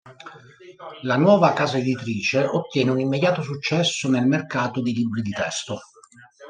La nuova casa editrice ottiene un immediato successo nel mercato dei libri di testo.